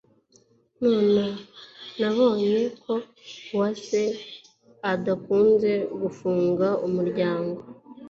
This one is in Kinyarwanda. Nabonye ko Uwase adakunze gufunga umuryango